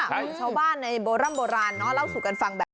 ชาวบ้านในโบร่ำโบราณเนาะเล่าสู่กันฟังแบบนี้